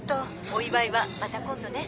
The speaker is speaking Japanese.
お祝いはまた今度ね。